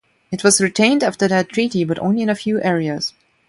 It was retained after that treaty but only in a few areas.